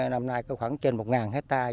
năm nay có khoảng trên một hectare